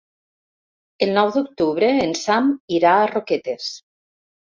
El nou d'octubre en Sam irà a Roquetes.